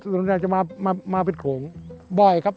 ส่วนใหญ่จะมาเป็นโขงบ่อยครับ